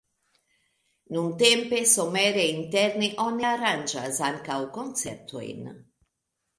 Nuntempe somere interne oni aranĝas ankaŭ koncertojn.